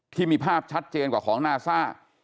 ที่มีภาพชัดเจนกว่าของนาซ่า